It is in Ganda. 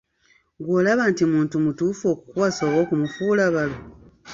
Ggwe olaba nti muntu mutuufu okukuwasa oba okumufuula balo?